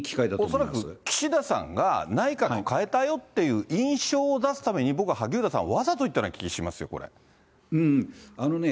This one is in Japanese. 恐らく岸田さんが内閣を変えたよっていう印象を出すために、僕は萩生田さんをわざと置いたような気しますよ、これ。